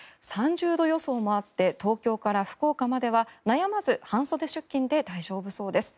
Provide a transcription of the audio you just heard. ３０度予想もあって東京から福岡までは悩まず半袖出勤で大丈夫そうです。